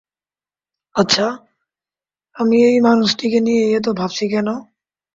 আচ্ছা, আমি এই মানুষটিকে নিয়ে এত ভাবছি কেন?